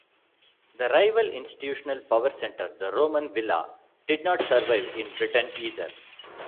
The rival institutional power centre, the Roman villa, did not survive in Britain either.